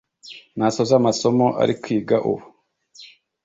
nasoza amasomo ari kwiga ubu